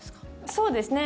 そうですね。